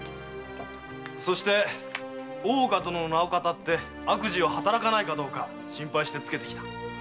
そして大岡殿の名を騙って悪事を働かないかどうか心配してつけてきた。